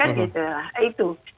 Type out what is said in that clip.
tahun aja nggak cukup kan